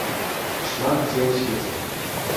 Шмат дзе ў свеце.